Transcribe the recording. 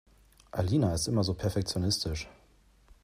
Alina ist immer so perfektionistisch.